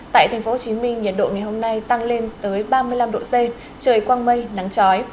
tại tp hcm nhiệt độ ngày hôm nay tăng lên tới ba mươi năm độ c trời quang mây nắng trói